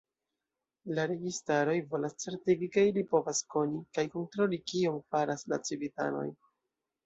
La registaroj volas certigi, ke ili povas koni kaj kontroli kion faras la civitanoj.